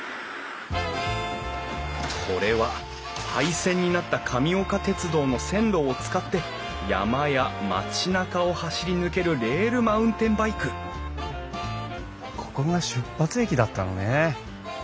これは廃線になった神岡鉄道の線路を使って山や町なかを走り抜けるレールマウンテンバイクここが出発駅だったのね。